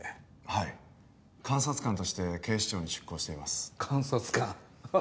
はい監察官として警視庁に出向しています監察官？